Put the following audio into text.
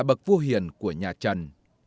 bậc vua hiền của nhà trần